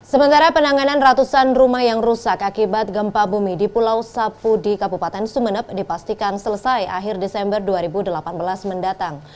sementara penanganan ratusan rumah yang rusak akibat gempa bumi di pulau sapudi kabupaten sumeneb dipastikan selesai akhir desember dua ribu delapan belas mendatang